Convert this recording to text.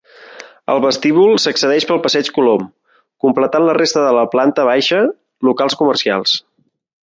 Al vestíbul s'accedeix pel passeig Colom, completant la resta de la planta baixa, locals comercials.